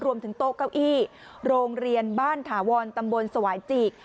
โต๊ะเก้าอี้โรงเรียนบ้านถาวรตำบลสวายจีก